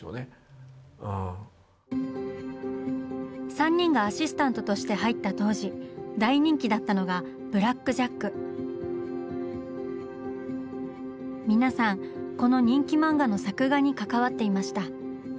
３人がアシスタントとして入った当時大人気だったのが皆さんこの人気漫画の作画に関わっていました。